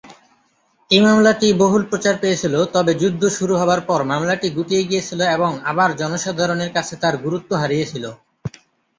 এই মামলাটি বহুল প্রচার পেয়েছিল, তবে যুদ্ধ শুরু হবার পর, মামলাটি গুটিয়ে গিয়েছিল এবং আবার জনসাধারণের কাছে তার গুরুত্ব হারিয়েছিল।